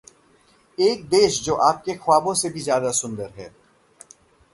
एक देश जो आपके ख्वाबों से भी ज्यादा सुंदर है...